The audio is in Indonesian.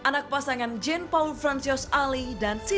dan dua tahun di paris